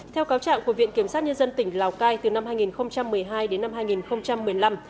theo cáo trạng của viện kiểm sát nhân dân tỉnh lào cai từ năm hai nghìn một mươi hai đến năm hai nghìn một mươi năm